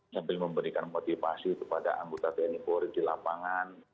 sambil memberikan motivasi kepada anggota tni polri di lapangan